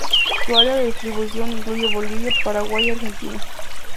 Su área de distribución incluye Bolivia, Paraguay y Argentina.